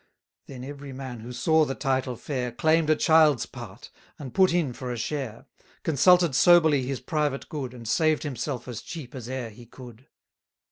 Then every man who saw the title fair, Claim'd a child's part, and put in for a share: Consulted soberly his private good, And saved himself as cheap as e'er he could.